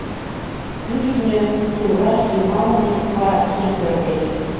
Кӱшнӧ, тувраш йымалне, вараксим пӧрдеш...